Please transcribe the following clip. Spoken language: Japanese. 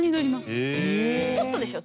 ちょっとですよ。